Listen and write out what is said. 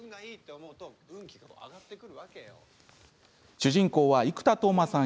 主人公は生田斗真さん